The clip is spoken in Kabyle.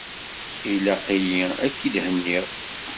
Ilaq-yi ad k-id-henniɣ.